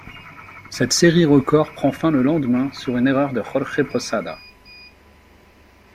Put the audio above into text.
Cette série record prend fin le lendemain sur une erreur de Jorge Posada.